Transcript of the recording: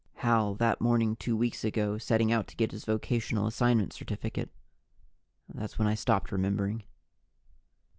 Hal that morning two weeks ago, setting out to get his Vocational Assignment Certificate.... That's when I stopped remembering.